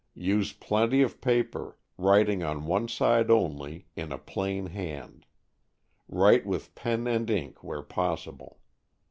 Use plenty of paper, writing on one side only, in a plain hand. Write with pen and ink where possible.